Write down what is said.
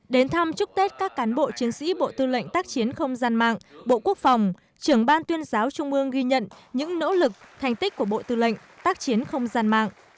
đến thăm chúc tết các cán bộ chiến sĩ bộ tư lệnh tác chiến không gian mạng bộ quốc phòng trưởng ban tuyên giáo trung mương ghi nhận những nỗ lực thành tích của bộ tư lệnh tác chiến không gian mạng